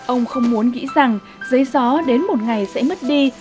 ông không muốn nghĩ rằng giấy gió đến một ngày sẽ mất đi